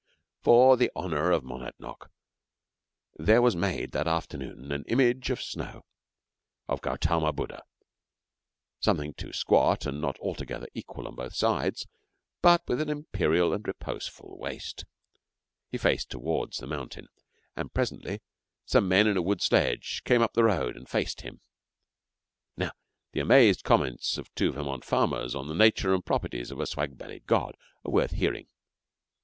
For the honour of Monadnock there was made that afternoon an image of snow of Gautama Buddha, something too squat and not altogether equal on both sides, but with an imperial and reposeful waist. He faced towards the mountain, and presently some men in a wood sledge came up the road and faced him. Now, the amazed comments of two Vermont farmers on the nature and properties of a swag bellied god are worth hearing.